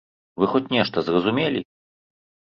Вы хоць нешта зразумелі?